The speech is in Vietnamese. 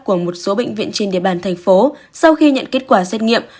của một số bệnh viện trên địa bàn thành phố sau khi nhận kết quả xét nghiệm